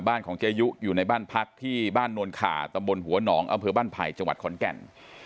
ของเจยุอยู่ในบ้านพักที่บ้านนวลขาตำบลหัวหนองอำเภอบ้านไผ่จังหวัดขอนแก่น